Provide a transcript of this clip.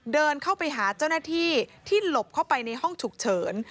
เดินเข้าไปหาเจ้าหน้าที่ที่หลบเข้าไปในห้องฉุกเฉิน